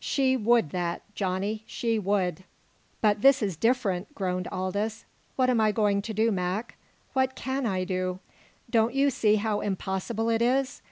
"She would that, Johnny she would!" "But this is different!" groaned Aldous. "What am I going to do, Mac? What can I do? Don't you see how impossible it is!